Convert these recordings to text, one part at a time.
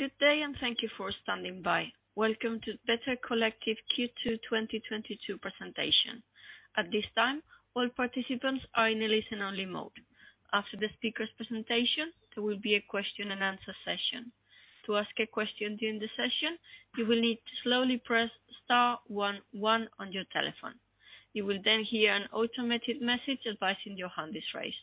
Good day and thank you for standing by. Welcome to Better Collective Q2 2022 presentation. At this time, all participants are in a listen-only mode. After the speaker's presentation, there will be a question and answer session. To ask a question during the session, you will need to slowly press star one one on your telephone. You will then hear an automated message advising your hand is raised.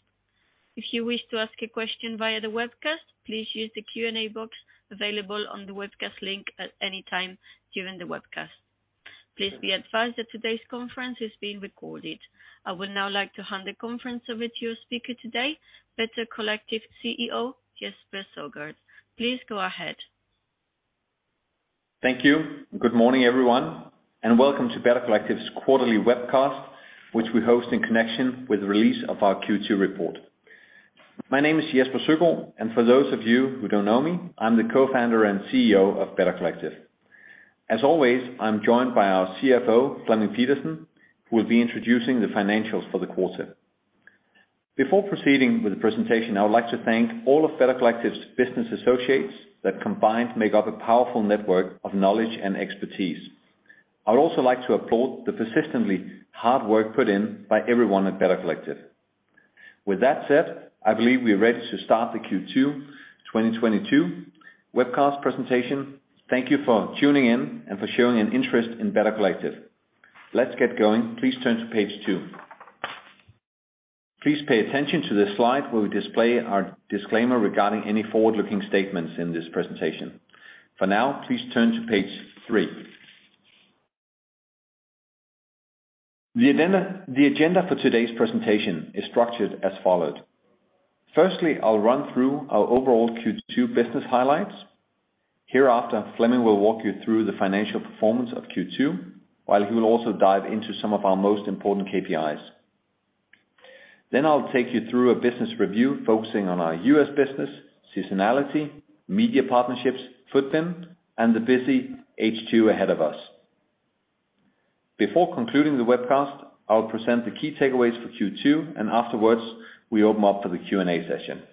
If you wish to ask a question via the webcast, please use the Q&A box available on the webcast link at any time during the webcast. Please be advised that today's conference is being recorded. I would now like to hand the conference over to your speaker today, Better Collective CEO, Jesper Søgaard. Please go ahead. Thank you. Good morning, everyone, and welcome to Better Collective's quarterly webcast, which we host in connection with the release of our Q2 report. My name is Jesper Søgaard, and for those of you who don't know me, I'm the co-founder and CEO of Better Collective. As always, I'm joined by our CFO, Flemming Pedersen, who will be introducing the financials for the quarter. Before proceeding with the presentation, I would like to thank all of Better Collective's business associates that combined make up a powerful network of knowledge and expertise. I would also like to applaud the persistently hard work put in by everyone at Better Collective. With that said, I believe we are ready to start the Q2 2022 webcast presentation. Thank you for tuning in and for showing an interest in Better Collective. Let's get going. Please turn to page two. Please pay attention to this slide where we display our disclaimer regarding any forward-looking statements in this presentation. For now, please turn to page three. The agenda for today's presentation is structured as follows. Firstly, I'll run through our overall Q2 business highlights. Hereafter, Flemming will walk you through the financial performance of Q2, while he will also dive into some of our most important KPIs. Then I'll take you through a business review focusing on our US business, seasonality, media partnerships, Futbin, and the busy H2 ahead of us. Before concluding the webcast, I'll present the key takeaways for Q2, and afterwards, we open up for the Q&A session.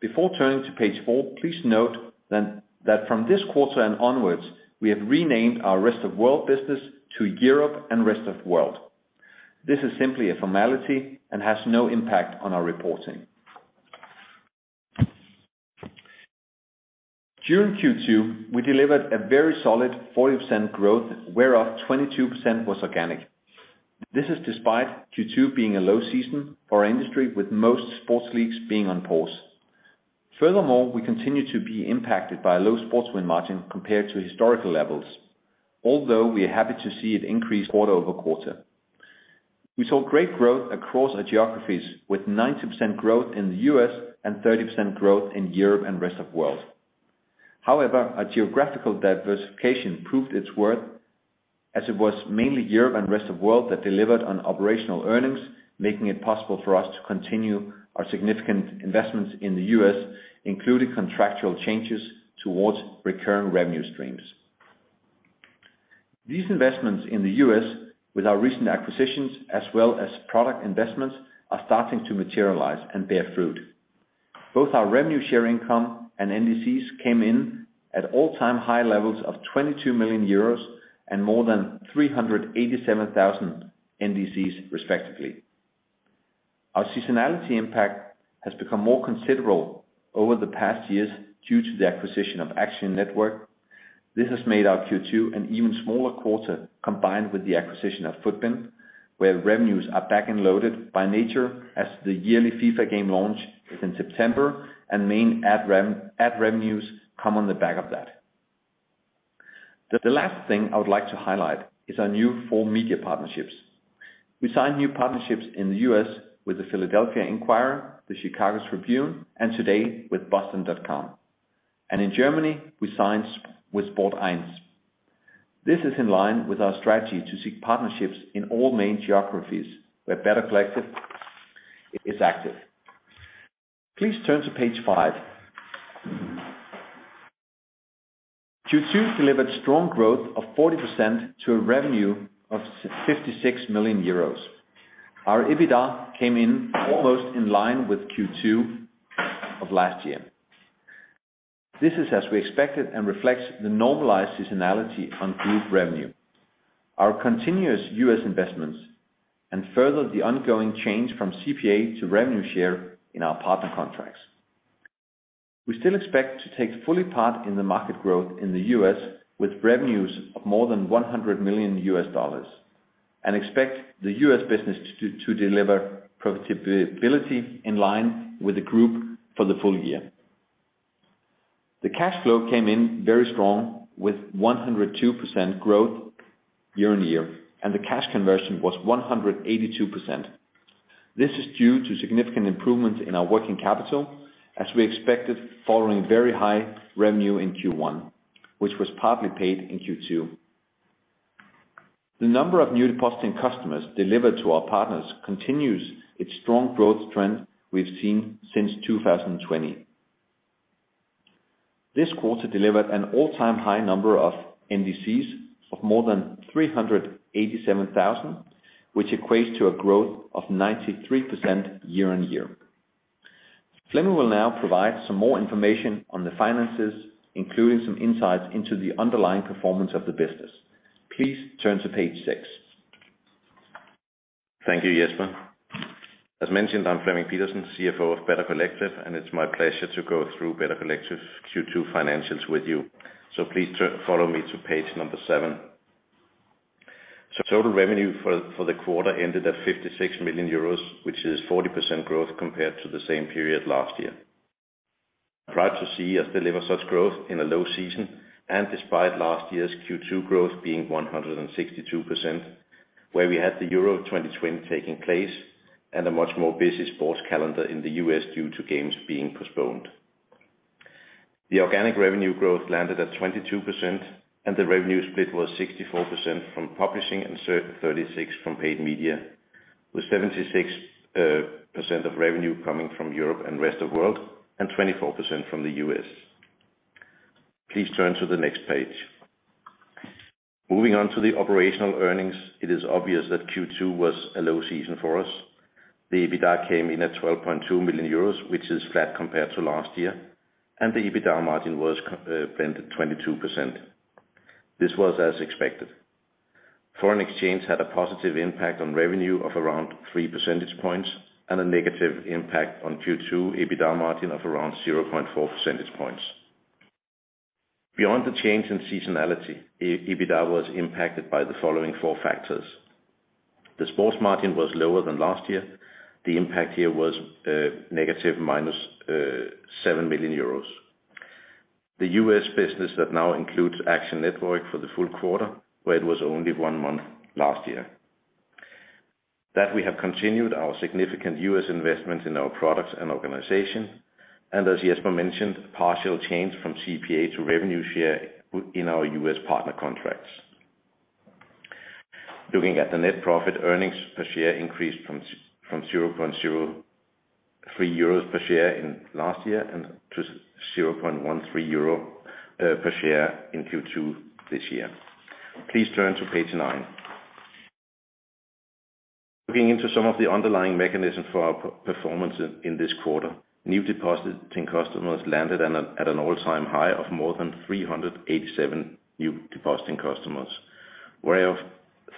Before turning to page four, please note that from this quarter and onwards, we have renamed our Rest of World business to Europe and Rest of World. This is simply a formality and has no impact on our reporting. During Q2, we delivered a very solid 40% growth, whereof 22% was organic. This is despite Q2 being a low season for our industry, with most sports leagues being on pause. Furthermore, we continue to be impacted by low sports win margin compared to historical levels, although we are happy to see it increase quarter-over-quarter. We saw great growth across our geographies, with 90% growth in the US and 30% growth in Europe and Rest of World. However, our geographical diversification proved its worth as it was mainly Europe and Rest of World that delivered on operational earnings, making it possible for us to continue our significant investments in the US, including contractual changes towards recurring revenue streams. These investments in the U.S. with our recent acquisitions as well as product investments are starting to materialize and bear fruit. Both our revenue share income and NDCs came in at all-time high levels of 22 million euros and more than 387,000 NDCs respectively. Our seasonality impact has become more considerable over the past years due to the acquisition of Action Network. This has made our Q2 an even smaller quarter, combined with the acquisition of Futbin, where revenues are back-loaded by nature as the yearly FIFA game launch is in September and main ad rev, ad revenues come on the back of that. The last thing I would like to highlight is our new full media partnerships. We signed new partnerships in the U.S. with the Philadelphia Inquirer, the Chicago Tribune, and today with Boston.com. In Germany, we signed with Sport1. This is in line with our strategy to seek partnerships in all main geographies where Better Collective is active. Please turn to page five. Q2 delivered strong growth of 40% to a revenue of 56 million euros. Our EBITDA came in almost in line with Q2 of last year. This is as we expected and reflects the normalized seasonality on group revenue, our continuous U.S. investments, and further, the ongoing change from CPA to revenue share in our partner contracts. We still expect to take fully part in the market growth in the U.S. with revenues of more than $100 million, and expect the U.S. business to deliver profitability in line with the group for the full year. The cash flow came in very strong with 102% growth year-on-year, and the cash conversion was 182%. This is due to significant improvements in our working capital, as we expected following very high revenue in Q1, which was partly paid in Q2. The number of new depositing customers delivered to our partners continues its strong growth trend we've seen since 2020. This quarter delivered an all-time high number of NDCs of more than 387,000, which equates to a growth of 93% year-on-year. Flemming will now provide some more information on the finances, including some insights into the underlying performance of the business. Please turn to page six. Thank you, Jesper. As mentioned, I'm Flemming Pedersen, CFO of Better Collective, and it's my pleasure to go through Better Collective's Q2 financials with you. Please follow me to page number seven. Total revenue for the quarter ended at 56 million euros, which is 40% growth compared to the same period last year. I'm proud to see us deliver such growth in a low season and despite last year's Q2 growth being 162%, where we had the Euro 2020 taking place and a much more busy sports calendar in the US due to games being postponed. The organic revenue growth landed at 22% and the revenue split was 64% from publishing and 36% from paid media, with 76% of revenue coming from Europe and Rest of World and 24% from the US. Please turn to the next page. Moving on to the operational earnings, it is obvious that Q2 was a low season for us. The EBITDA came in at 12.2 million euros, which is flat compared to last year, and the EBITDA margin was blended 22%. This was as expected. Foreign exchange had a positive impact on revenue of around three percentage points and a negative impact on Q2 EBITDA margin of around 0.4 percentage points. Beyond the change in seasonality, EBITDA was impacted by the following four factors. The sports margin was lower than last year. The impact here was negative minus seven million euros. The U.S. business that now includes Action Network for the full quarter, where it was only one month last year. We have continued our significant U.S. investments in our products and organization, and as Jesper mentioned, partial change from CPA to revenue share in our U.S. partner contracts. Looking at the net profit earnings per share increased from 0.03 euros per share in last year to 0.13 euro per share in Q2 this year. Please turn to page nine. Looking into some of the underlying mechanisms for our performance in this quarter, new depositing customers landed at an all-time high of more than 387,000 new depositing customers, whereof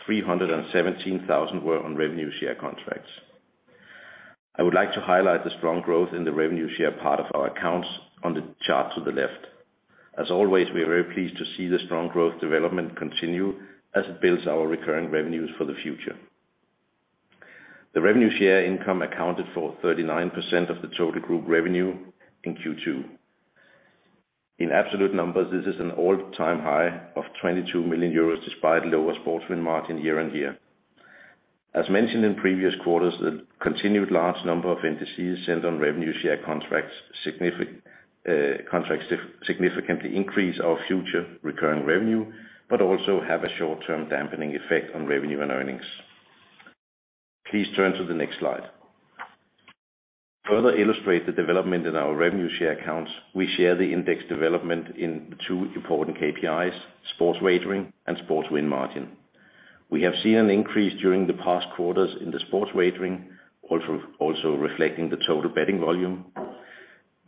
317,000 were on revenue share contracts. I would like to highlight the strong growth in the revenue share part of our accounts on the chart to the left. As always, we are very pleased to see the strong growth development continue as it builds our recurring revenues for the future. The revenue share income accounted for 39% of the total group revenue in Q2. In absolute numbers, this is an all-time high of 22 million euros, despite lower sports win margin year-over-year. As mentioned in previous quarters, the continued large number of entities signed on revenue share contracts significantly increase our future recurring revenue, but also have a short-term dampening effect on revenue and earnings. Please turn to the next slide. To further illustrate the development in our revenue share accounts, we share the index development in two important KPIs, sports wagering and sports win margin. We have seen an increase during the past quarters in the sports wagering, also reflecting the total betting volume.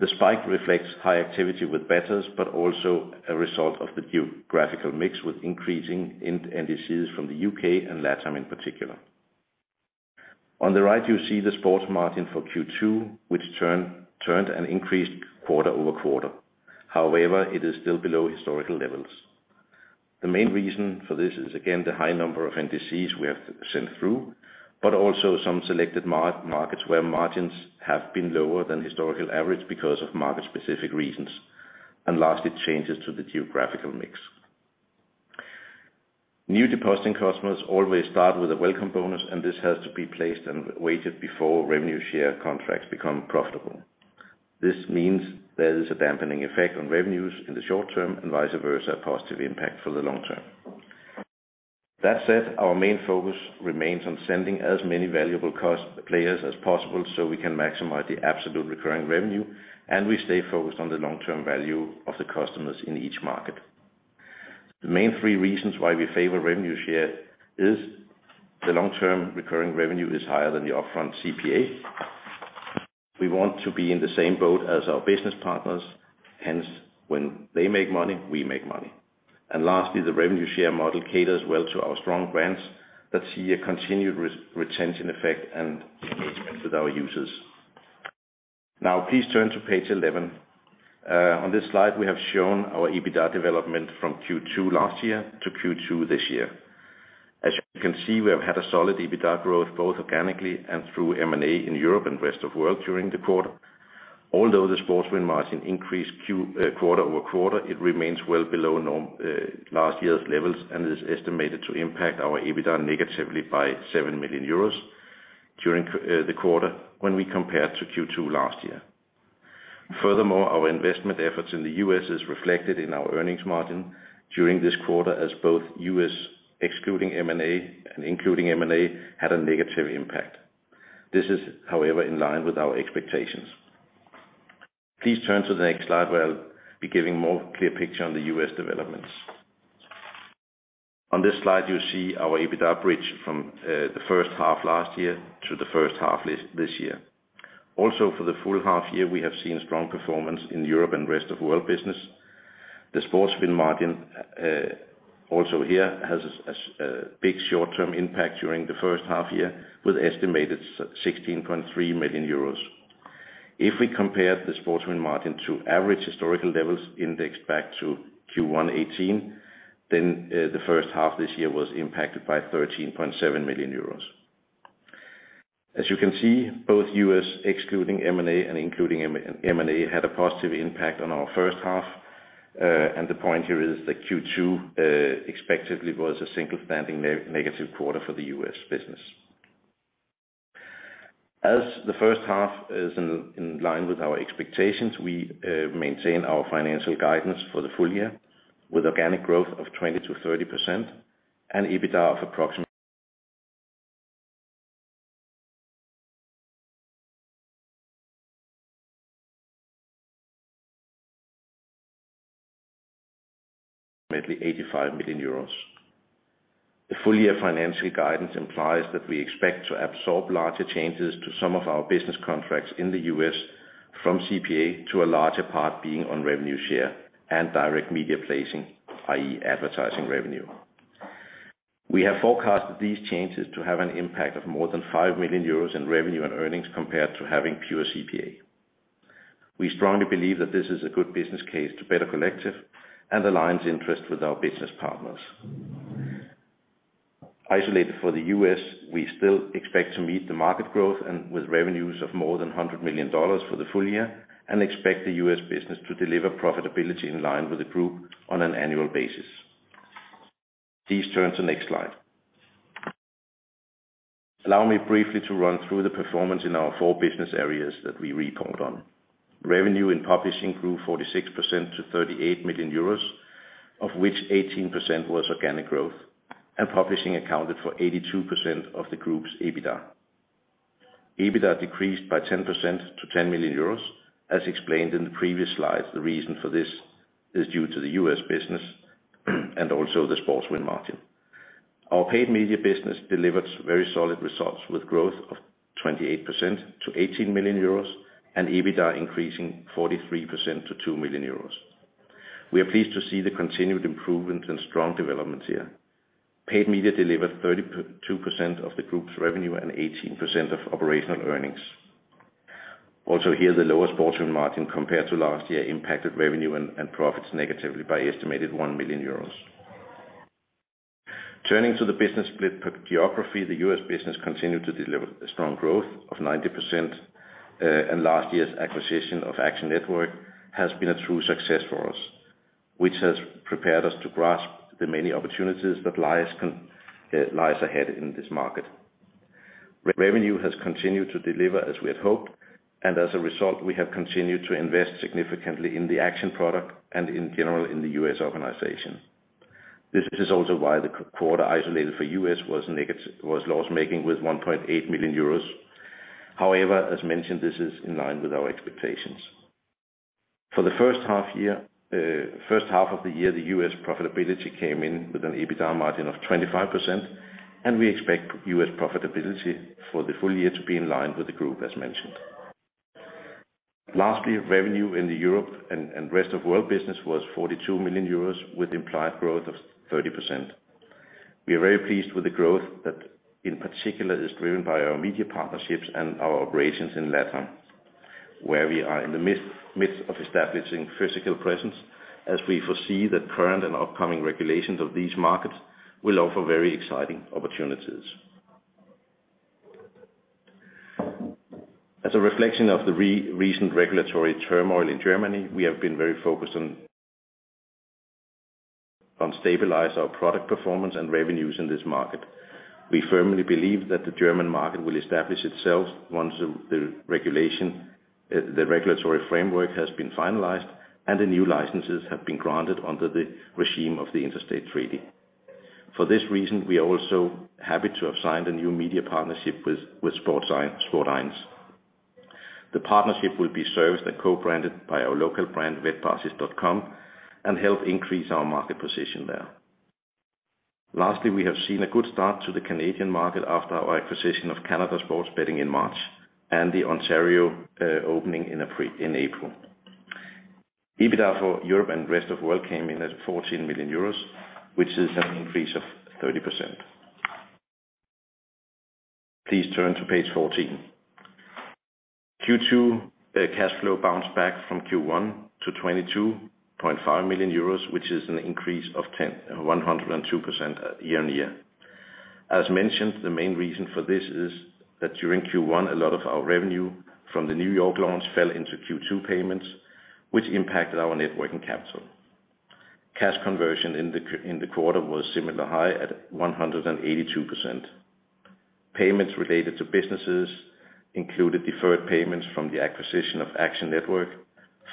The spike reflects high activity with bettors, but also a result of the geographical mix with increasing entries from the UK and LATAM in particular. On the right, you see the sports margin for Q2, which turned and increased quarter-over-quarter. However, it is still below historical levels. The main reason for this is again, the high number of entries we have sent through, but also some selected markets where margins have been lower than historical average because of market-specific reasons, and lastly, changes to the geographical mix. New depositing customers always start with a welcome bonus, and this has to be placed and wagered before revenue share contracts become profitable. This means there is a dampening effect on revenues in the short term and vice versa, positive impact for the long term. That said, our main focus remains on sending as many valuable cost players as possible, so we can maximize the absolute recurring revenue, and we stay focused on the long-term value of the customers in each market. The main three reasons why we favor revenue share is the long-term recurring revenue is higher than the upfront CPA. We want to be in the same boat as our business partners, hence, when they make money, we make money. Lastly, the revenue share model caters well to our strong brands that see a continued re-retention effect and engagement with our users. Now please turn to page eleven. On this slide, we have shown our EBITDA development from Q2 last year to Q2 this year. As you can see, we have had a solid EBITDA growth both organically and through M&A in Europe and Rest of World during the quarter. Although the sports win margin increased quarter over quarter, it remains well below normal last year's levels and is estimated to impact our EBITDA negatively by 7 million euros during the quarter when we compare to Q2 last year. Furthermore, our investment efforts in the U.S. are reflected in our earnings margin during this quarter, as both U.S. excluding M&A and including M&A had a negative impact. This is, however, in line with our expectations. Please turn to the next slide where I'll be giving more clear picture on the U.S. developments. On this slide, you see our EBITDA bridge from the first half last year to the first half this year. Also, for the full half year, we have seen strong performance in Europe and Rest of World business. The sports win margin also here has a big short-term impact during the first half year with estimated 16.3 million euros. If we compare the sports win margin to average historical levels indexed back to Q1 2018, then the first half this year was impacted by 13.7 million euros. As you can see, both U.S. excluding M&A and including M&A had a positive impact on our first half. The point here is that Q2 expectedly was a standalone negative quarter for the U.S. business. As the first half is in line with our expectations, we maintain our financial guidance for the full year with organic growth of 20%-30% and EBITDA of approximately EUR 85 million. The full-year financial guidance implies that we expect to absorb larger changes to some of our business contracts in the U.S. from CPA to a larger part being on revenue share and direct media placing, i.e., advertising revenue. We have forecasted these changes to have an impact of more than 5 million euros in revenue and earnings compared to having pure CPA. We strongly believe that this is a good business case to Better Collective and aligns interest with our business partners. Isolated for the U.S., we still expect to meet the market growth and with revenues of more than $100 million for the full year and expect the U.S. business to deliver profitability in line with the group on an annual basis. Please turn to next slide. Allow me briefly to run through the performance in our four business areas that we report on. Revenue in publishing grew 46% to 38 million euros, of which 18% was organic growth, and publishing accounted for 82% of the group's EBITDA. EBITDA decreased by 10% to 10 million euros. As explained in the previous slide, the reason for this is due to the U.S. business and also the sports win margin. Our paid media business delivered very solid results with growth of 28% to 18 million euros and EBITDA increasing 43% to 2 million euros. We are pleased to see the continued improvements and strong developments here. Paid media delivered 32% of the group's revenue and 18% of operational earnings. Also here, the lower sports win margin compared to last year impacted revenue and profits negatively by estimated 1 million euros. Turning to the business split per geography, the U.S. Business continued to deliver strong growth of 90%, and last year's acquisition of Action Network has been a true success for us, which has prepared us to grasp the many opportunities that lies ahead in this market. Revenue has continued to deliver as we had hoped, and as a result, we have continued to invest significantly in the Action product and in general in the U.S. organization. This is also why the quarter isolated for U.S. was loss-making with 1.8 million euros. However, as mentioned, this is in line with our expectations. For the first half of the year, the U.S. profitability came in with an EBITDA margin of 25%, and we expect U.S. profitability for the full year to be in line with the group, as mentioned. Lastly, revenue in the Europe and Rest of World business was 42 million euros, with implied growth of 30%. We are very pleased with the growth that, in particular, is driven by our media partnerships and our operations in LatAm, where we are in the midst of establishing physical presence as we foresee that current and upcoming regulations of these markets will offer very exciting opportunities. As a reflection of the recent regulatory turmoil in Germany, we have been very focused on stabilizing our product performance and revenues in this market. We firmly believe that the German market will establish itself once the regulatory framework has been finalized and the new licenses have been granted under the regime of the interstate treaty. For this reason, we are also happy to have signed a new media partnership with Sport. The partnership will be serviced and co-branded by our local brand, Wettbasis.com, and help increase our market position there. Lastly, we have seen a good start to the Canadian market after our acquisition of Canada Sports Betting in March and the Ontario opening in April. EBITDA for Europe and Rest of World came in at 14 million euros, which is an increase of 30%. Please turn to page fourteen. Q2 cash flow bounced back from Q1 to 22.5 million euros, which is an increase of 102% year-over-year. As mentioned, the main reason for this is that during Q1, a lot of our revenue from the New York launch fell into Q2 payments, which impacted our working capital. Cash conversion in the quarter was similarly high at 182%. Payments related to businesses included deferred payments from the acquisition of Action Network,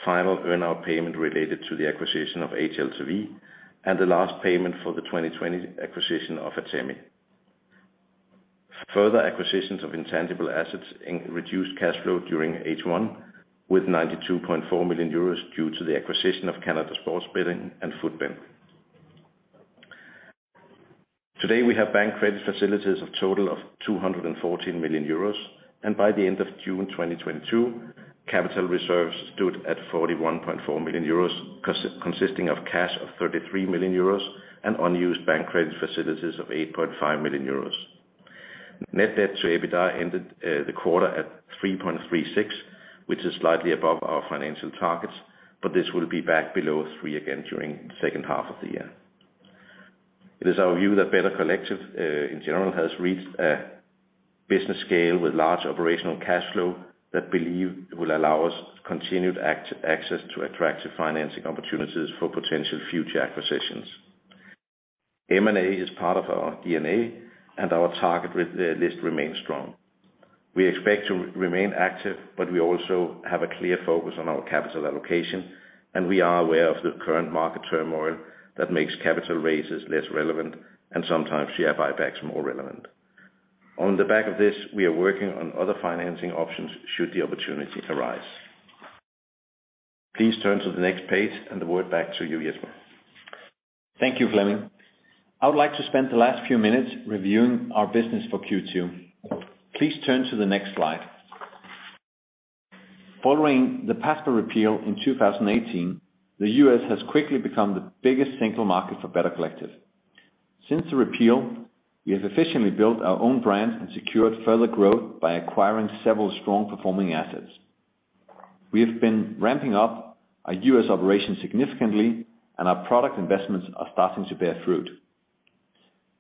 final earn-out payment related to the acquisition of HLTV, and the last payment for the 2020 acquisition of Atemi. Further acquisitions of intangible assets reduced cash flow during H1 with 92.4 million euros due to the acquisition of Canada Sports Betting and Futbin. Today, we have bank credit facilities of a total of 214 million euros. By the end of June 2022, capital reserves stood at 41.4 million euros, consisting of cash of 33 million euros and unused bank credit facilities of 8.5 million euros. Net debt to EBITDA ended the quarter at 3.36, which is slightly above our financial targets, but this will be back below three again during the second half of the year. It is our view that Better Collective, in general, has reached a business scale with large operational cash flow that we believe will allow us continued access to attractive financing opportunities for potential future acquisitions. M&A is part of our DNA, and our target with the list remains strong. We expect to remain active, but we also have a clear focus on our capital allocation, and we are aware of the current market turmoil that makes capital raises less relevant and sometimes share buybacks more relevant. On the back of this, we are working on other financing options should the opportunity arise. Please turn to the next page, and the word back to you, Jesper Søgaard. Thank you, Flemming. I would like to spend the last few minutes reviewing our business for Q2. Please turn to the next slide. Following the PASPA repeal in 2018, the U.S. has quickly become the biggest single market for Better Collective. Since the repeal, we have efficiently built our own brand and secured further growth by acquiring several strong-performing assets. We have been ramping up our U.S. operations significantly, and our product investments are starting to bear fruit.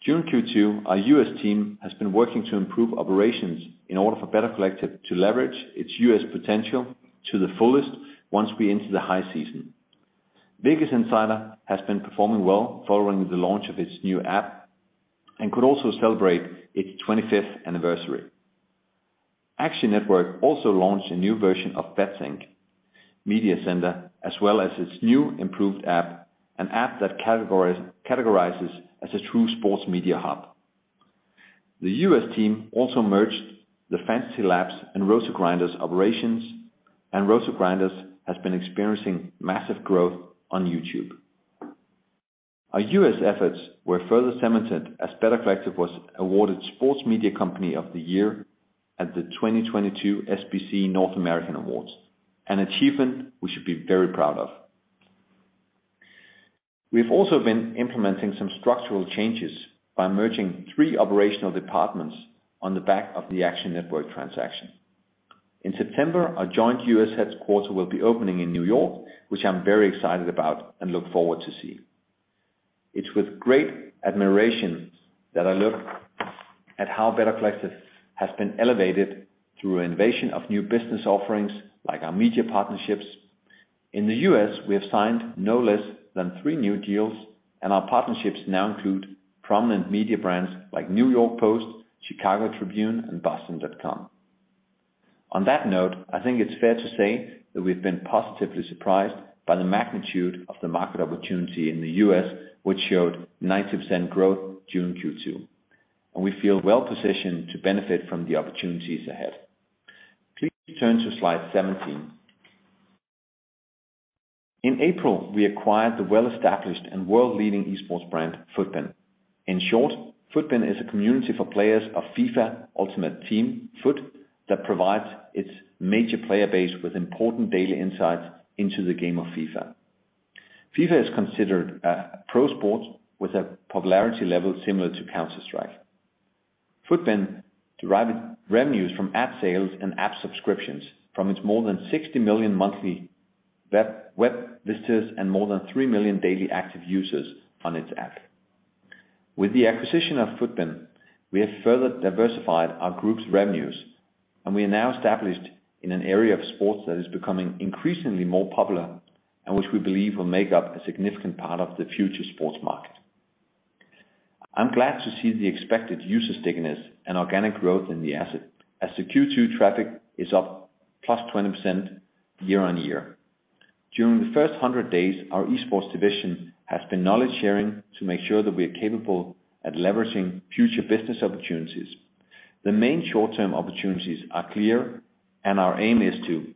During Q2, our U.S. team has been working to improve operations in order for Better Collective to leverage its U.S. potential to the fullest once we enter the high season. VegasInsider has been performing well following the launch of its new app and could also celebrate its 25th anniversary. Action Network also launched a new version of BetSync Media Center, as well as its new improved app, an app that categorizes as a true sports media hub. The U.S. team also merged the FantasyLabs and RotoGrinders operations, and RotoGrinders has been experiencing massive growth on YouTube. Our U.S. efforts were further cemented as Better Collective was awarded Sports Media Company of the Year at the 2022 SBC Awards North America, an achievement we should be very proud of. We've also been implementing some structural changes by merging three operational departments on the back of the Action Network transaction. In September, our joint U.S. headquarters will be opening in New York, which I'm very excited about and look forward to seeing. It's with great admiration that I look at how Better Collective has been elevated through innovation of new business offerings like our media partnerships. In the US, we have signed no less than 3 new deals, and our partnerships now include prominent media brands like New York Post, Chicago Tribune, and Boston.com. On that note, I think it's fair to say that we've been positively surprised by the magnitude of the market opportunity in the US, which showed 90% growth during Q2. We feel well-positioned to benefit from the opportunities ahead. Please turn to slide 17. In April, we acquired the well-established and world-leading esports brand, Futbin. In short, Futbin is a community for players of FIFA Ultimate Team FUT that provides its major player base with important daily insights into the game of FIFA. FIFA is considered a pro sport with a popularity level similar to Counter-Strike. Futbin derives revenues from ad sales and app subscriptions from its more than 60 million monthly web visitors and more than 3 million daily active users on its app. With the acquisition of Futbin, we have further diversified our group's revenues, and we are now established in an area of sports that is becoming increasingly more popular and which we believe will make up a significant part of the future sports market. I'm glad to see the expected user stickiness and organic growth in the asset as the Q2 traffic is up +20% year-on-year. During the first 100 days, our esports division has been knowledge-sharing to make sure that we are capable at leveraging future business opportunities. The main short-term opportunities are clear, and our aim is to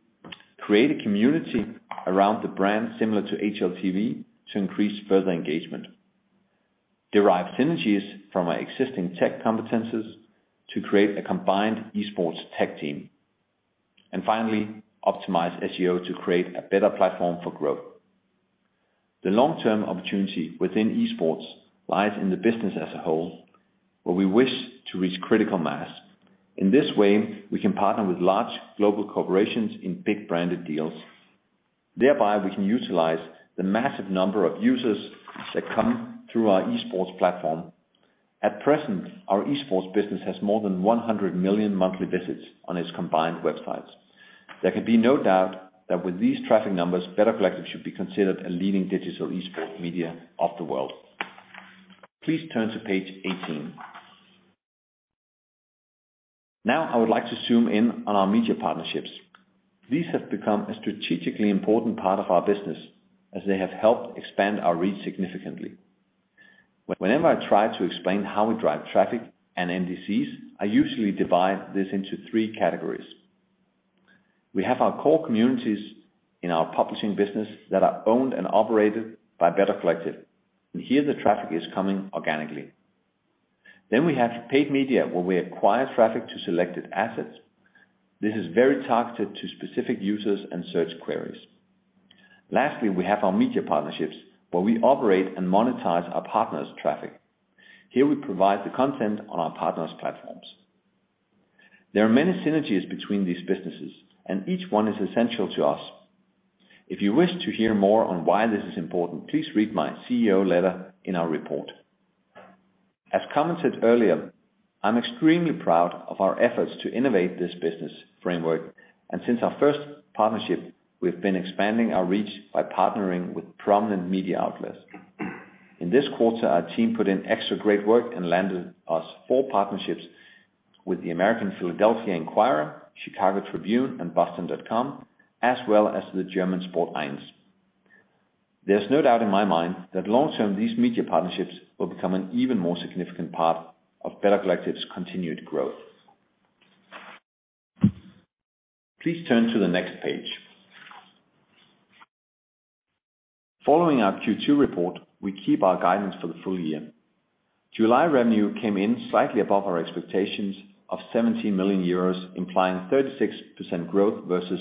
create a community around the brand similar to HLTV to increase further engagement, derive synergies from our existing tech competencies to create a combined esports tech team, and finally, optimize SEO to create a better platform for growth. The long-term opportunity within esports lies in the business as a whole, where we wish to reach critical mass. In this way, we can partner with large global corporations in big branded deals. Thereby, we can utilize the massive number of users that come through our esports platform. At present, our esports business has more than 100 million monthly visits on its combined websites. There can be no doubt that with these traffic numbers, Better Collective should be considered a leading digital esports media of the world. Please turn to page eighteen. Now, I would like to zoom in on our media partnerships. These have become a strategically important part of our business as they have helped expand our reach significantly. Whenever I try to explain how we drive traffic and NDCs, I usually divide this into three categories. We have our core communities in our publishing business that are owned and operated by Better Collective, and here the traffic is coming organically. Then we have paid media, where we acquire traffic to selected assets. This is very targeted to specific users and search queries. Lastly, we have our media partnerships, where we operate and monetize our partners' traffic. Here we provide the content on our partners' platforms. There are many synergies between these businesses, and each one is essential to us. If you wish to hear more on why this is important, please read my CEO letter in our report. As commented earlier, I'm extremely proud of our efforts to innovate this business framework, and since our first partnership, we've been expanding our reach by partnering with prominent media outlets. In this quarter, our team put in extra great work and landed us four partnerships with the American Philadelphia Inquirer, Chicago Tribune, and Boston.com, as well as the German Sport1. There's no doubt in my mind that long-term, these media partnerships will become an even more significant part of Better Collective's continued growth. Please turn to the next page. Following our Q2 report, we keep our guidance for the full year. July revenue came in slightly above our expectations of 70 million euros, implying 36% growth versus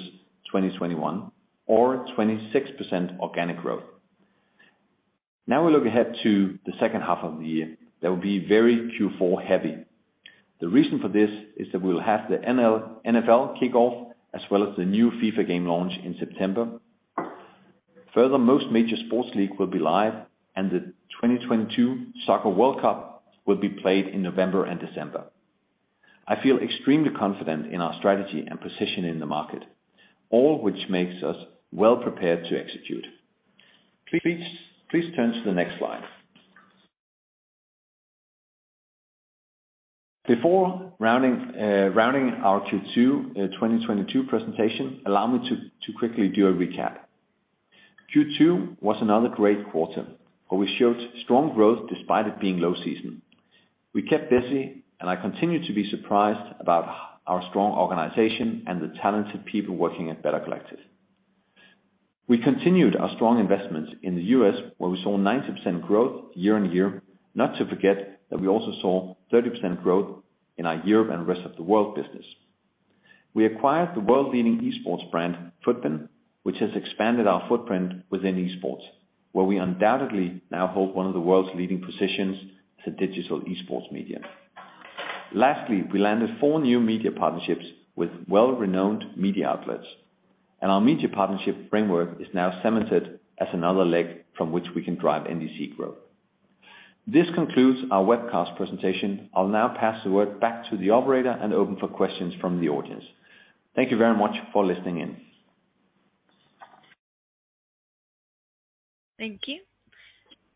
2021 or 26% organic growth. Now we look ahead to the second half of the year. That will be very Q4 heavy. The reason for this is that we'll have the NFL kickoff as well as the new FIFA game launch in September. Further, most major sports league will be live and the 2022 FIFA World Cup will be played in November and December. I feel extremely confident in our strategy and position in the market, all which makes us well-prepared to execute. Please turn to the next slide. Before rounding our Q2 2022 presentation, allow me to quickly do a recap. Q2 was another great quarter, where we showed strong growth despite it being low season. We kept busy, and I continue to be surprised about our strong organization and the talented people working at Better Collective. We continued our strong investments in the U.S., where we saw 90% growth year-over-year. Not to forget that we also saw 30% growth in our Europe and Rest of World business. We acquired the world-leading esports brand, Futbin, which has expanded our footprint within esports, where we undoubtedly now hold one of the world's leading positions to digital esports media. Lastly, we landed 4 new media partnerships with well-renowned media outlets, and our media partnership framework is now cemented as another leg from which we can drive NDC growth. This concludes our webcast presentation. I'll now pass the word back to the operator and open for questions from the audience. Thank you very much for listening in. Thank you.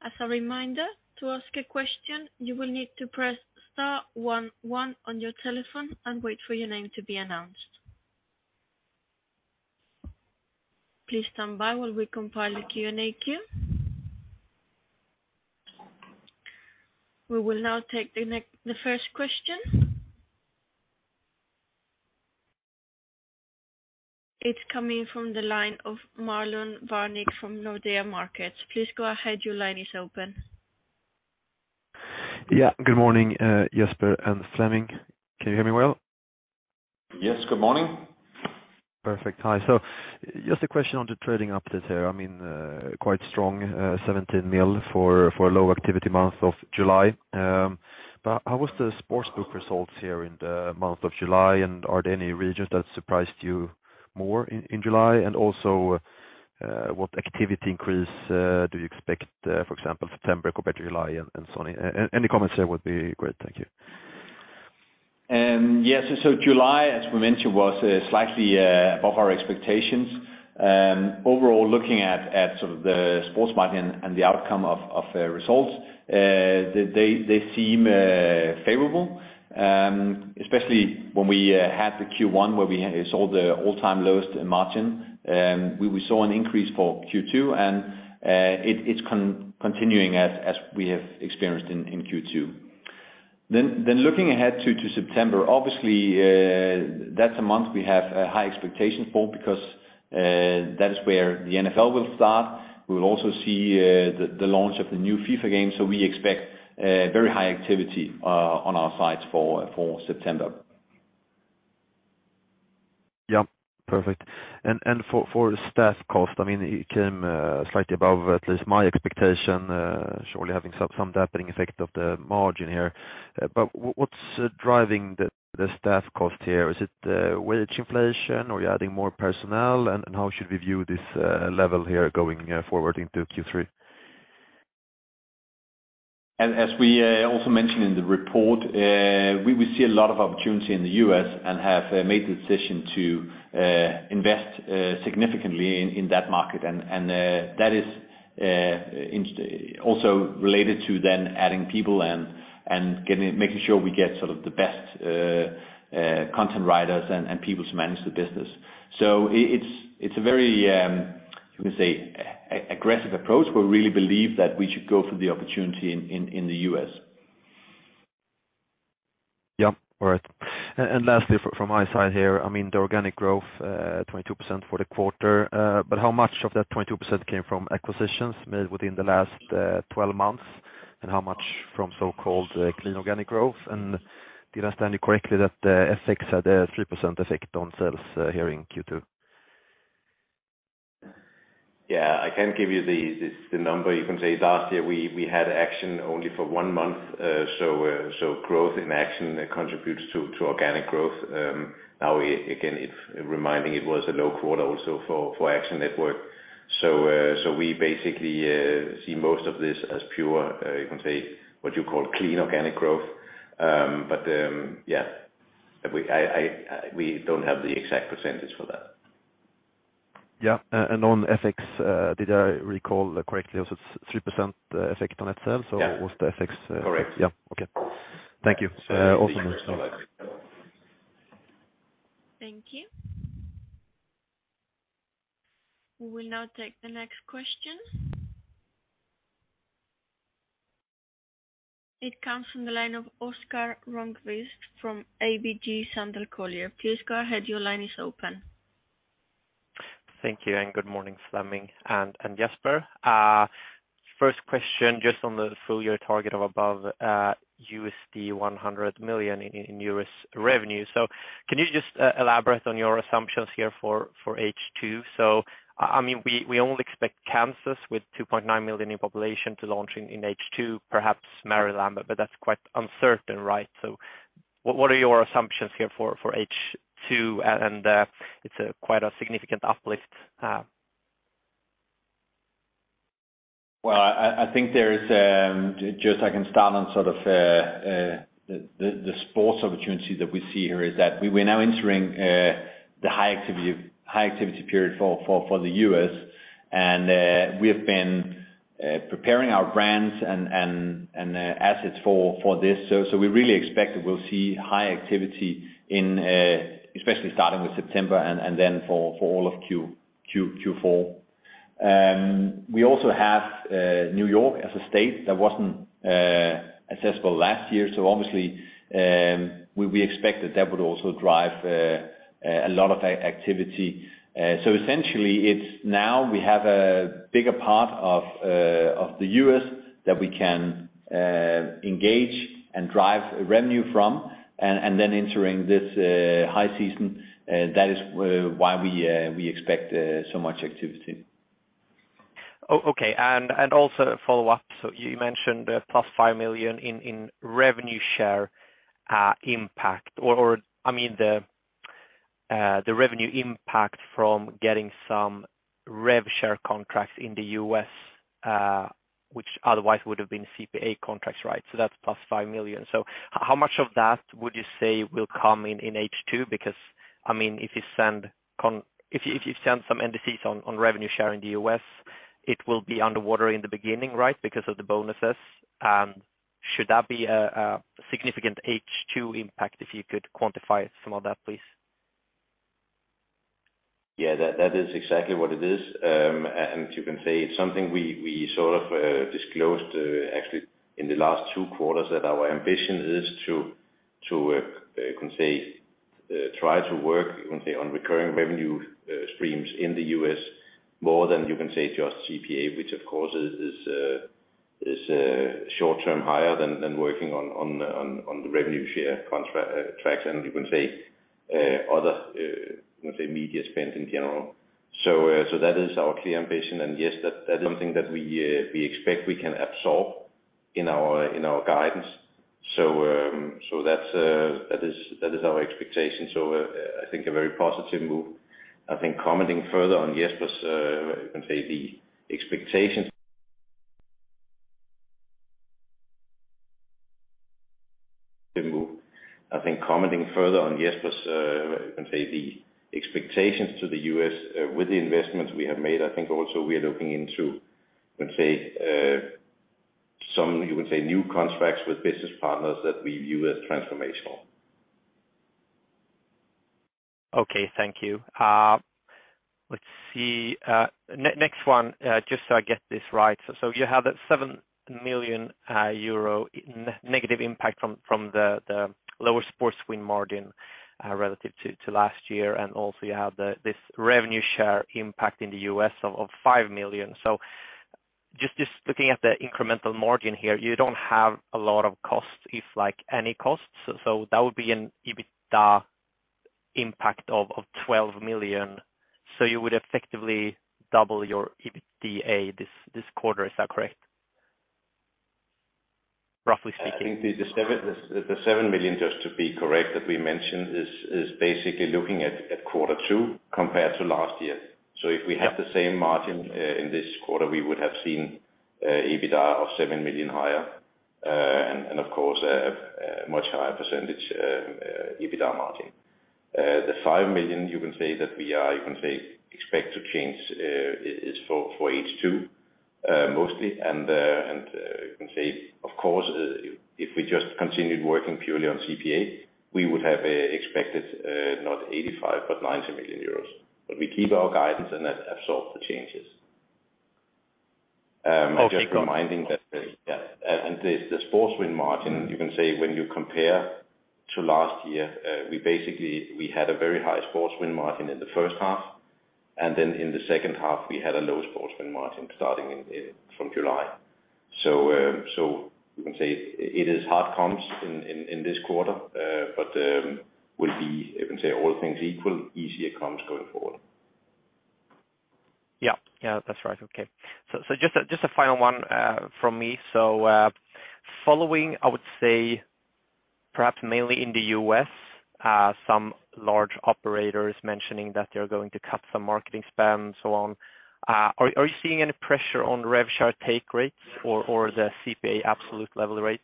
As a reminder, to ask a question, you will need to press star one one on your telephone and wait for your name to be announced. Please stand by while we compile the Q&A queue. We will now take the first question. It's coming from the line of Marlon Varnik from Nordea Markets. Please go ahead. Your line is open. Yeah, good morning, Jesper and Flemming. Can you hear me well? Yes, good morning. Perfect. Hi. Just a question on the trading update here. I mean, quite strong, 17 million for a low activity month of July. How was the sportsbook results here in the month of July? Are there any regions that surprised you more in July? Also, what activity increase do you expect, for example, September compared to July and so on? Any comments there would be great. Thank you. Yes. July, as we mentioned, was slightly above our expectations. Overall, looking at sort of the sports market and the outcome of results, they seem favorable, especially when we had the Q1 where we sold the all-time lowest margin. We saw an increase for Q2 and it's continuing as we have experienced in Q2. Then looking ahead to September, obviously, that's a month we have high expectations for because that is where the NFL will start. We will also see the launch of the new FIFA game, so we expect very high activity on our sides for September. Yeah. Perfect. For staff cost, I mean, it came slightly above at least my expectation, surely having some dampening effect on the margin here. What's driving the staff cost here? Is it wage inflation or you're adding more personnel? How should we view this level here going forward into Q3? As we also mentioned in the report, we see a lot of opportunity in the U.S. and have made the decision to invest significantly in that market and that is Also related to then adding people and making sure we get sort of the best content writers and people to manage the business. It's a very, you can say, aggressive approach. We really believe that we should go for the opportunity in the U.S. All right. Lastly, from my side here, I mean, the organic growth, 22% for the quarter. But how much of that 22% came from acquisitions made within the last 12 months, and how much from so-called clean organic growth? Did I understand you correctly that the FX had a 3% effect on sales here in Q2? Yeah, I can give you the number. You can say last year we had Action only for one month. Growth in Action contributes to organic growth. Now again, it was a low quarter also for Action Network. We basically see most of this as pure, you can say, what you call clean organic growth. We don't have the exact percentage for that. Yeah. On FX, did I recall correctly? It was 3% effect on itself. Yeah. What's the FX? Correct. Yeah. Okay. Thank you. Awesome. Thank you. We will now take the next question. It comes from the line of Oscar Rönnkvist from ABG Sundal Collier. Please go ahead. Your line is open. Thank you, good morning, Flemming and Jesper. First question, just on the full year target of above $100 million in U.S. revenue. Can you just elaborate on your assumptions here for H2? I mean, we only expect Kansas with 2.9 million in population to launch in H2, perhaps Maryland, but that's quite uncertain, right? What are your assumptions here for H2, and it's quite a significant uplift? I think the sports opportunity that we see here is that we're now entering the high activity period for the U.S. We have been preparing our brands and assets for this. We really expect that we'll see high activity, especially starting with September and then for all of Q4. We also have New York as a state that wasn't accessible last year. Obviously, we expect that that would also drive a lot of activity. Essentially it's now we have a bigger part of the U.S. that we can engage and drive revenue from. Entering this high season, that is why we expect so much activity. Okay. Also to follow up. You mentioned plus $5 million in revenue share impact or I mean the revenue impact from getting some rev share contracts in the U.S., which otherwise would have been CPA contracts, right? That's plus $5 million. How much of that would you say will come in H2? Because I mean, if you send some NDCs on revenue share in the U.S., it will be underwater in the beginning, right, because of the bonuses. Should that be a significant H2 impact? If you could quantify some of that, please. Yeah, that is exactly what it is. You can say it's something we sort of disclosed actually in the last two quarters, that our ambition is to you can say try to work you can say on recurring revenue streams in the US more than you can say just CPA, which of course is short-term higher than working on the revenue share contract traction you can say other you can say media spend in general. That is our clear ambition. Yes, that is something that we expect we can absorb in our guidance. That's our expectation. I think a very positive move. I think commenting further on Jesper's, you can say, the expectations to the U.S. with the investments we have made. I think also we are looking into, you can say, some, you would say, new contracts with business partners that we view as transformational. Okay. Thank you. Let's see. Next one, just so I get this right. You have that 7 million euro negative impact from the lower sports swing margin relative to last year. You also have this revenue share impact in the U.S. of 5 million. Just looking at the incremental margin here, you don't have a lot of costs, if like any costs. That would be an EBITDA impact of 12 million. You would effectively double your EBITDA this quarter. Is that correct? Roughly speaking. I think the seven million, just to be correct, that we mentioned is basically looking at quarter two compared to last year. If we had the same margin in this quarter, we would have seen EBITDA of 7 million higher and of course a much higher percentage EBITDA margin. The 5 million you can say expect to change is for H2 mostly. You can say, of course, if we just continued working purely on CPA, we would have expected not 85, but 90 million euros. We keep our guidance and that absorbs the changes. Okay. Just reminding that yeah, and the sports win margin. You can say when you compare to last year, we basically had a very high sports win margin in the first half, and then in the second half, we had a low sports win margin starting from July. You can say it is hard comps in this quarter. You can say all things equal, easier comps going forward. Yeah, that's right. Okay. Just a final one from me. Following, I would say perhaps mainly in the U.S., some large operators mentioning that they're going to cut some marketing spend and so on. Are you seeing any pressure on rev share take rates or the CPA absolute level rates?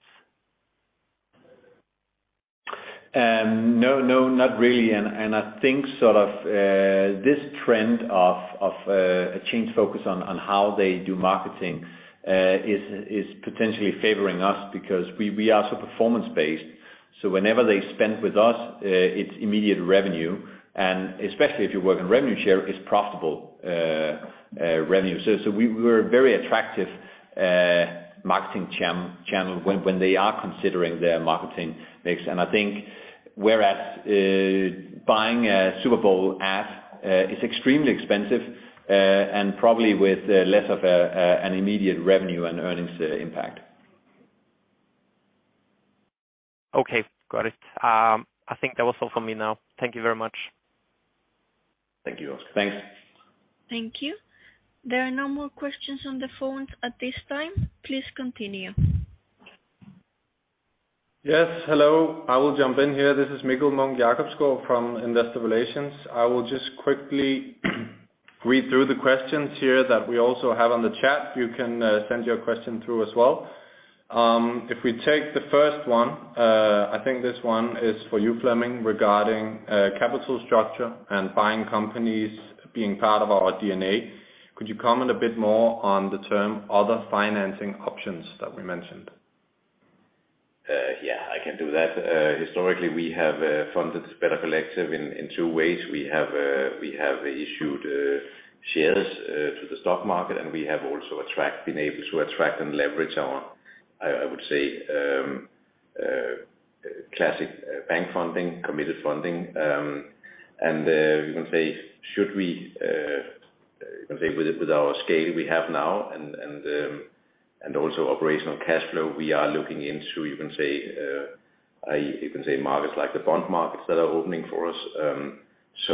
No, no, not really. I think sort of this trend of a changing focus on how they do marketing is potentially favoring us because we are so performance-based, so whenever they spend with us, it's immediate revenue, and especially if you work in revenue share, it's profitable revenue. We're very attractive marketing channel when they are considering their marketing mix. I think whereas buying a Super Bowl ad is extremely expensive and probably with less of an immediate revenue and earnings impact. Okay. Got it. I think that was all for me now. Thank you very much. Thank you. Thanks. Thank you. There are no more questions on the phone at this time. Please continue. Yes, hello. I will jump in here. This is Mikkel Munch-Jacobsgaard from Investor Relations. I will just quickly read through the questions here that we also have on the chat. You can send your question through as well. If we take the first one, I think this one is for you, Flemming, regarding capital structure and buying companies being part of our DNA. Could you comment a bit more on the term other financing options that we mentioned? Yeah, I can do that. Historically, we have funded Better Collective in two ways. We have issued shares to the stock market, and we have also been able to attract and leverage our, I would say, classic bank funding, committed funding. With our scale we have now and also operational cash flow, we are looking into markets like the bond markets that are opening for us.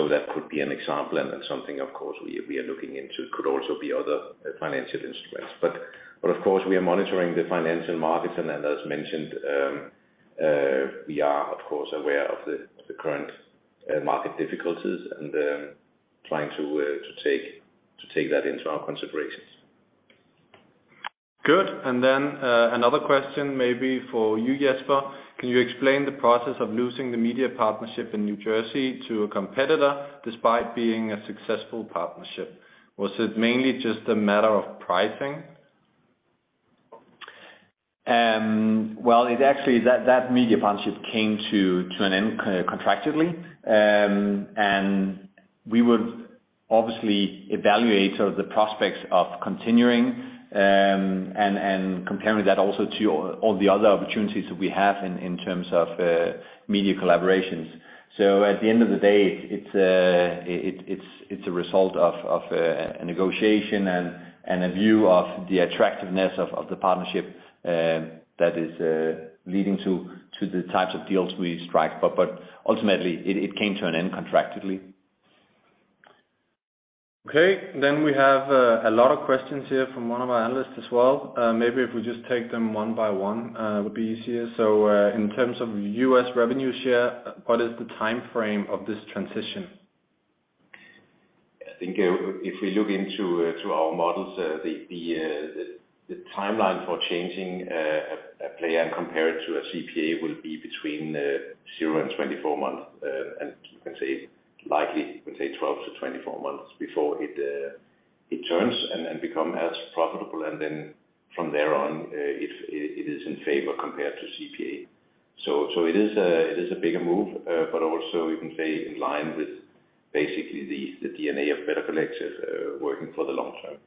That could be an example, and that's something of course we are looking into. Could also be other financial instruments. Of course we are monitoring the financial markets and as mentioned, we are of course aware of the current market difficulties and trying to take that into our considerations. Good. Another question maybe for you, Jesper. Can you explain the process of losing the media partnership in New Jersey to a competitor despite being a successful partnership? Was it mainly just a matter of pricing? That media partnership came to an end contractually. We would obviously evaluate sort of the prospects of continuing and comparing that also to all the other opportunities that we have in terms of media collaborations. At the end of the day, it's a result of a negotiation and a view of the attractiveness of the partnership that is leading to the types of deals we strike. Ultimately, it came to an end contractually. Okay. We have a lot of questions here from one of our analysts as well. Maybe if we just take them one by one, would be easier. In terms of U.S. revenue share, what is the timeframe of this transition? I think if we look into our models, the timeline for changing a player compared to a CPA will be between zero and 24 months. You can say likely 12 to 24 months before it turns and become as profitable. Then from there on, if it is in favor compared to CPA. It is a bigger move, but also you can say in line with basically the DNA of Better Collective, working for the long term.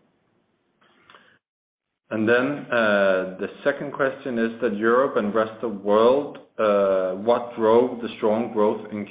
The second question is that Europe and Rest of World, what drove the strong growth in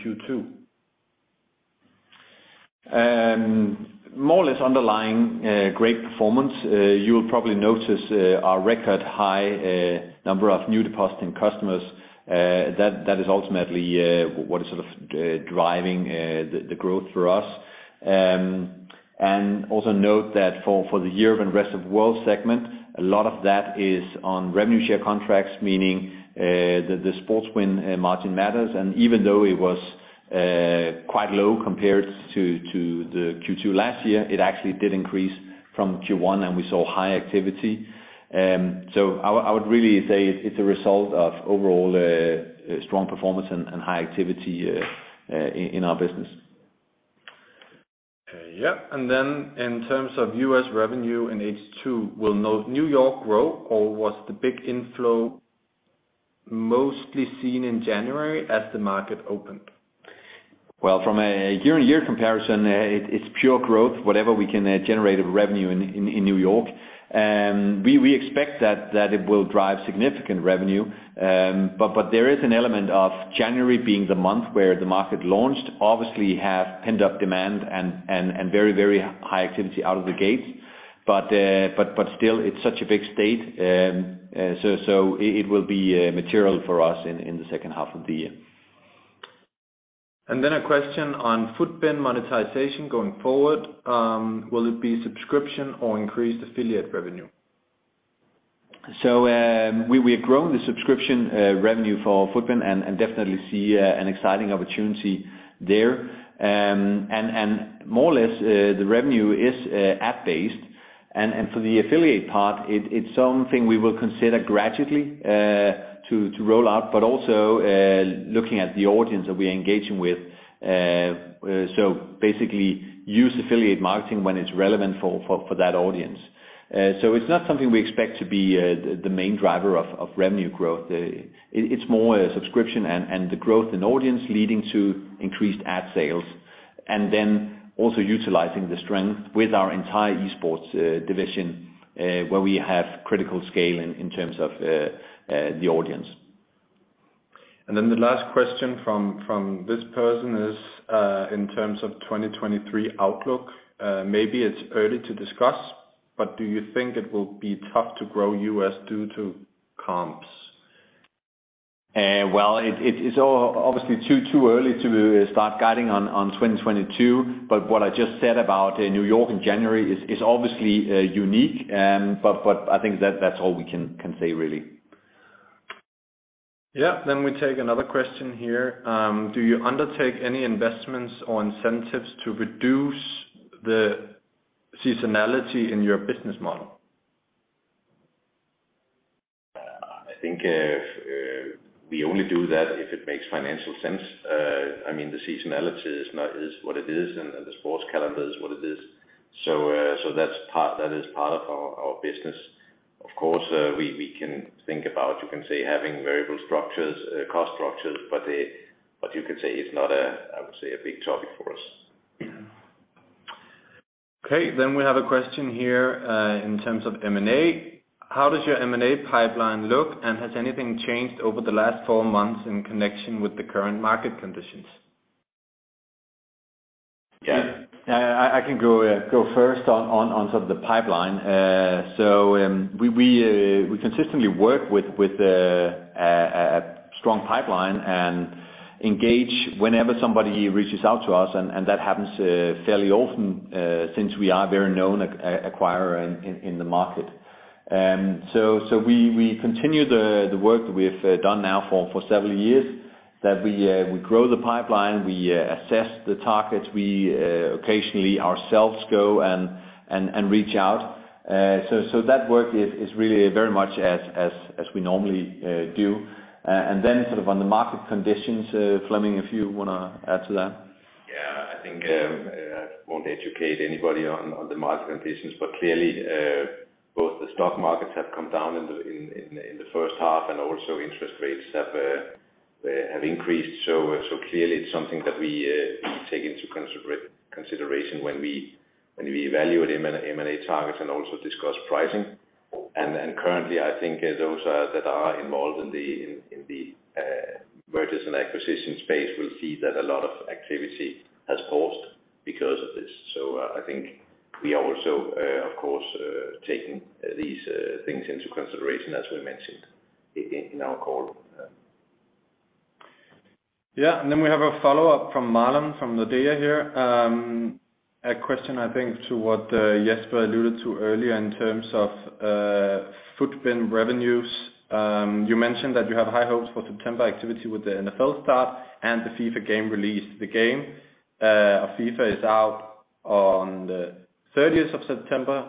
Q2? More or less underlying great performance. You'll probably notice our record high number of new depositing customers. That is ultimately what is sort of driving the growth for us. Also note that for the Europe and Rest of World segment, a lot of that is on revenue share contracts, meaning the sports win margin matters. Even though it was quite low compared to the Q2 last year, it actually did increase From Q1 and we saw high activity. I would really say it's a result of overall, strong performance and high activity in our business. Yeah. In terms of U.S. revenue in H2, will New York grow or was the big inflow mostly seen in January as the market opened? From a year-over-year comparison, it's pure growth, whatever we can generate of revenue in New York. We expect that it will drive significant revenue. But there is an element of January being the month where the market launched, obviously have pent-up demand and very high activity out of the gate. Still it's such a big state. So it will be material for us in the second half of the year. A question on Futbin monetization going forward, will it be subscription or increased affiliate revenue? We have grown the subscription revenue for Futbin and definitely see an exciting opportunity there. More or less, the revenue is app-based. For the affiliate part, it's something we will consider gradually to roll out, but also looking at the audience that we're engaging with. Basically use affiliate marketing when it's relevant for that audience. It's not something we expect to be the main driver of revenue growth. It's more a subscription and the growth in audience leading to increased ad sales, and then also utilizing the strength with our entire esports division, where we have critical scale in terms of the audience. Then the last question from this person is, in terms of 2023 outlook, maybe it's early to discuss, but do you think it will be tough to grow US due to comps? Well, it's obviously too early to start guiding on 2022, but what I just said about New York in January is obviously unique. I think that's all we can say, really. Yeah. We take another question here. Do you undertake any investments or incentives to reduce the seasonality in your business model? I think we only do that if it makes financial sense. I mean, the seasonality is what it is, and the sports calendar is what it is. That's part of our business. Of course, we can think about, you can say, having variable structures, cost structures, but you could say it's not a, I would say, a big topic for us. Okay. We have a question here in terms of M&A. How does your M&A pipeline look, and has anything changed over the last four months in connection with the current market conditions? Yeah, I can go first on sort of the pipeline. We consistently work with a strong pipeline and engage whenever somebody reaches out to us, and that happens fairly often since we are a very known acquirer in the market. We continue the work that we have done now for several years, that we grow the pipeline, we assess the targets. We occasionally ourselves go and reach out. That work is really very much as we normally do. Then sort of on the market conditions, Flemming, if you wanna add to that. Yeah. I think I won't educate anybody on the market conditions, but clearly both the stock markets have come down in the first half, and also interest rates have increased. Clearly it's something that we take into consideration when we evaluate M&A targets and also discuss pricing. Currently, I think those that are involved in the mergers and acquisitions space will see that a lot of activity has paused because of this. I think we are also, of course, taking these things into consideration as we mentioned in our call. We have a follow-up from Marlon from ABG here. A question I think to what Jesper alluded to earlier in terms of footprint revenues. You mentioned that you have high hopes for September activity with the NFL start and the FIFA game release. The game of FIFA is out on the thirtieth of September.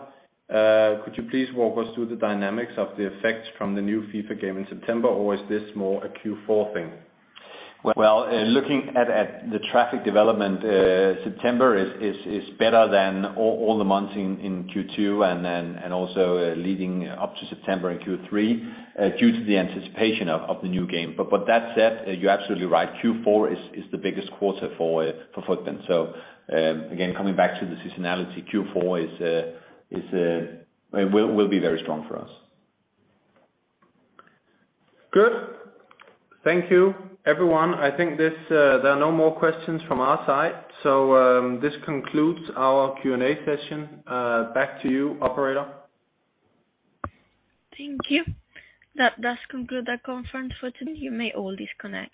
Could you please walk us through the dynamics of the effects from the new FIFA game in September, or is this more a Q4 thing? Well, looking at the traffic development, September is better than all the months in Q2 and also leading up to September in Q3, due to the anticipation of the new game. That said, you're absolutely right, Q4 is the biggest quarter for Futbin. Again, coming back to the seasonality, Q4 will be very strong for us. Good. Thank you, everyone. I think there are no more questions from our side. This concludes our Q&A session. Back to you, operator. Thank you. That does conclude our conference for today. You may all disconnect.